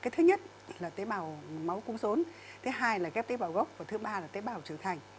thứ nhất là tế bào máu cung rốn thứ hai là ghép tế bào gốc và thứ ba là tế bào trưởng thành